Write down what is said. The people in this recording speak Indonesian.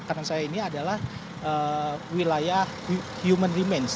kanan saya ini adalah wilayah human remains